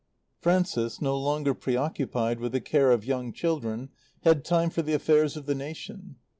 Frances, no longer preoccupied with the care of young children, had time for the affairs of the nation.